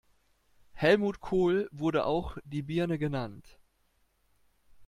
Helmut Kohl wurde auch "die Birne" genannt.